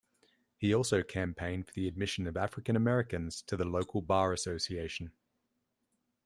He also campaigned for the admission of African Americans to the local bar association.